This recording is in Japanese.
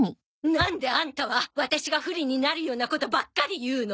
なんでアンタはワタシが不利になるようなことばっかり言うの！？